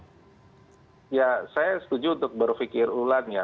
ya saya setuju untuk berpikir ulang ya